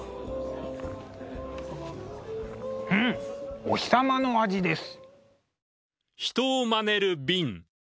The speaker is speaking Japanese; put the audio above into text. うんお日様の味です！